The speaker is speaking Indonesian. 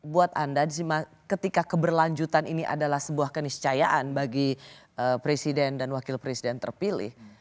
buat anda ketika keberlanjutan ini adalah sebuah keniscayaan bagi presiden dan wakil presiden terpilih